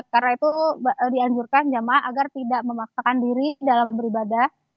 karena itu dianjurkan jamaah agar tidak memaksakan diri dalam beribadah